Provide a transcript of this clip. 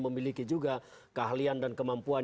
memiliki juga keahlian dan kemampuan